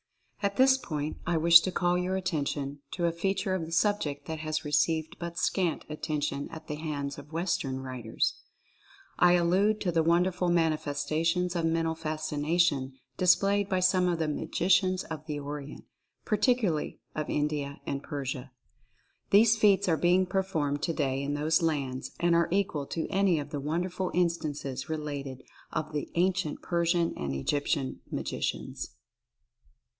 At this point I wish to call your attention to a fea ture of the subject that has received but scant attention at the hands of Western writers. I allude to the won derful manifestations of Mental Fascination displayed by some of the Magicians of the Orient, particularly of India and Persia. These feats are being performed today in those lands and are equal to any of the won derful instances related of the ancient Persian or Egyptian Magicians.